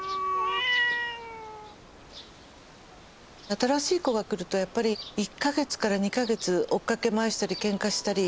新しい子が来るとやっぱり１か月から２か月追っかけ回したりケンカしたり。